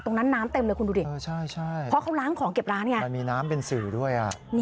น้ำเต็มเลยคุณดูดิเพราะเขาล้างของเก็บร้านไงมันมีน้ำเป็นสื่อด้วย